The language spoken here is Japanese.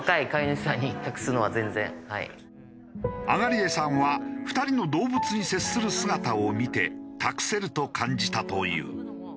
東江さんは２人の動物に接する姿を見て託せると感じたという。